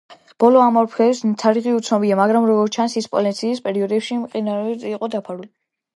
ბოლო ამოფრქვევის თარიღი უცნობია, მაგრამ როგორც ჩანს ის ჰოლოცენის პერიოდში მყინვარებით იყო დაფარული.